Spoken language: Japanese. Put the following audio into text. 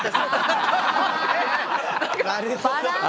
なるほど。